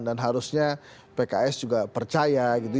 dan harusnya pks juga percaya gitu